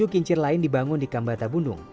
dua puluh tujuh kincir lain dibangun di kambata bundung